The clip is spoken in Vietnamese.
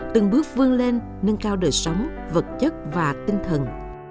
từng bước vươn lên nâng cao đời sống vật chất và tinh thần